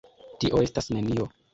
Tio estas nenio.